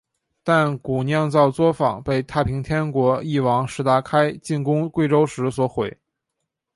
但古酿造作房被太平天国翼王石达开进攻贵州时所毁。